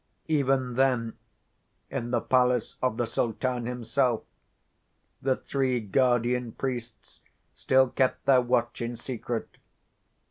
Even then—in the palace of the Sultan himself—the three guardian priests still kept their watch in secret.